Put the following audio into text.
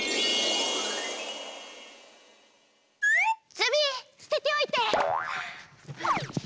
ズビーすてておいて！